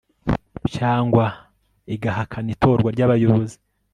cyangwa igahakana itorwa ry abayobozi